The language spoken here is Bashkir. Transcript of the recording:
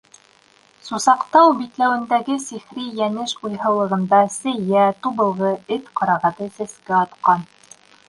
Сусаҡтау битләүендәге сихри Йәнеш уйһыулығында сейә, тубылғы, эт ҡарағаты сәскә атҡан.